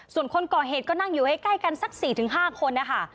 ส่วนคนก่อเหตุก็นั่งอยู่ให้ใกล้กันสักสี่ถึงห้าคนนะคะ